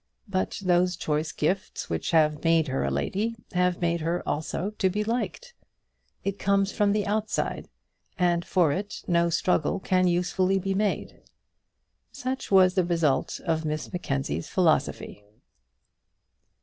But those choice gifts which have made her a lady have made her also to be liked. It comes from the outside, and for it no struggle can usefully be made. Such was the result of Miss Mackenzie's philosophy.